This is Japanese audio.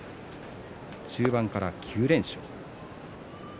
中盤から９連勝。